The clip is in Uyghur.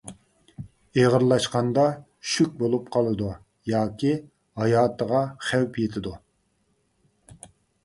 ئېغىرلاشقاندا شۈك بولۇپ قالىدۇ ياكى ھاياتىغا خەۋپ يېتىدۇ.